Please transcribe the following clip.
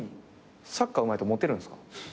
サッカーうまいとモテるんですか？